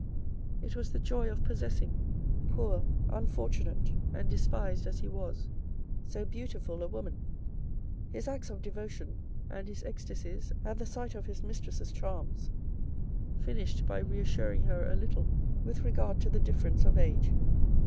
It was the joy of possessing, poor, unfortunate and despised as he was, so beautiful a woman. His acts of devotion, and his ecstacies at the sight of his mistress's charms finished by reassuring her a little with regard to the difference of age.